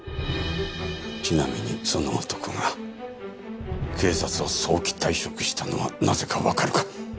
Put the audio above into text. ちなみにその男が警察を早期退職したのはなぜかわかるか？